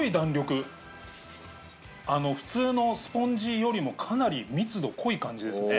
普通のスポンジよりもかなり密度濃い感じですね。